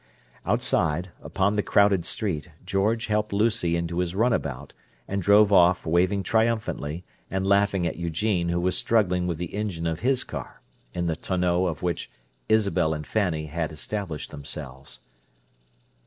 Outside, upon the crowded street, George helped Lucy into his runabout, and drove off, waving triumphantly, and laughing at Eugene who was struggling with the engine of his car, in the tonneau of which Isabel and Fanny had established themselves.